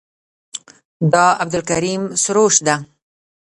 دا عبدالکریم سروش ده.